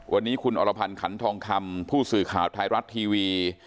วันนี้คุณอรพันธ์ขันทองคำผู้สื่อข่าวไทยรัฐทีวี